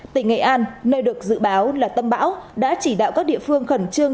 tỉnh nghệ an nơi được dự báo là tâm bão đã chỉ đạo các địa phương khẩn trương